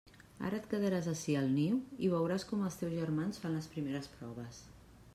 Ara et quedaràs ací al niu i veuràs com els teus germans fan les primeres proves.